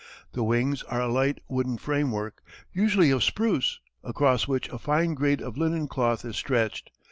The wings are a light wooden framework, usually of spruce, across which a fine grade of linen cloth is stretched.